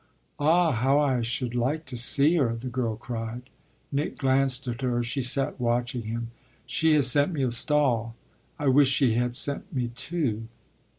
"Ah how I should like to see her!" the girl cried. Nick glanced at her; she sat watching him. "She has sent me a stall; I wish she had sent me two.